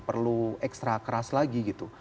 perlu ekstra keras lagi gitu